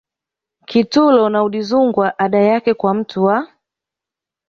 Kitulo na Udzungwa ada yake kwa mtu wa